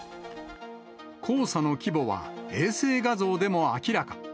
黄砂の規模は、衛星画像でも明らか。